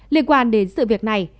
liên quan đến sự việc này